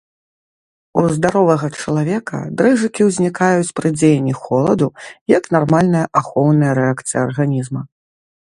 У здаровага чалавека дрыжыкі ўзнікаюць пры дзеянні холаду як нармальная ахоўная рэакцыя арганізма.